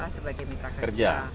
sebagai mitra kerja